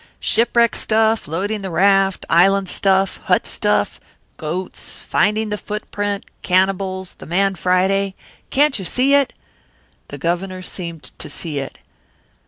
Shipwreck stuff, loading the raft, island stuff, hut stuff, goats, finding the footprint, cannibals, the man Friday can't you see it?" The Governor seemed to see it.